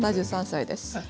７３歳です。